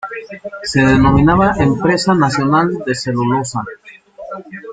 Se denominaba Empresa Nacional de Celulosa.